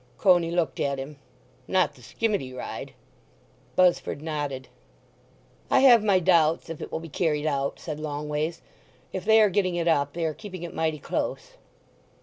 Coney looked at him. "Not the skimmity ride?" Buzzford nodded. "I have my doubts if it will be carried out," said Longways. "If they are getting it up they are keeping it mighty close.